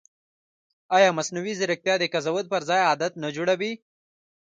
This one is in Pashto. ایا مصنوعي ځیرکتیا د قضاوت پر ځای عادت نه جوړوي؟